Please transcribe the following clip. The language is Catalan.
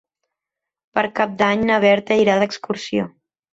Per Cap d'Any na Berta irà d'excursió.